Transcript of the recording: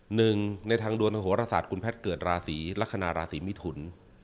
หนึ่งในทางดวงโหรศาสตร์คุณแพทย์เกิดราศีลักษณะราศีมิถุน